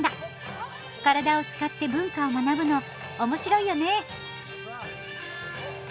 体を使って文化を学ぶのおもしろいよね！